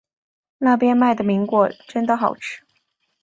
那边卖的苹果真的好吃